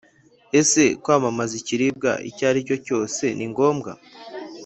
Ese kwamamaza ikiribwa icyo ari cyo cyose ni ngombwa?